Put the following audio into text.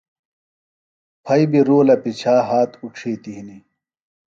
پھئیۡ بیۡ رُولہ پِچھا ہات اُڇِھیتیۡ ہنیۡ